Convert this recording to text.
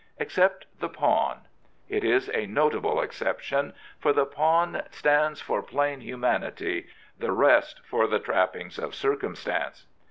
" Except the pawn." It is a notable exception, for the pawn stands for plain humanity, the rest for the trappings of circumstance.